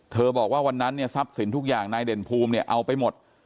เธอบอกว่าวันนั้นซับสินทุกอย่างนายเด่นภูมิเอาไปหมด